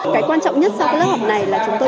cái quan trọng nhất sau cái lớp học này là chúng tôi